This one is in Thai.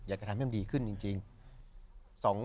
อยากจะทำให้มันดีขึ้นจริง